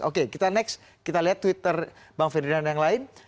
oke kita next kita lihat twitter bang ferdinand yang lain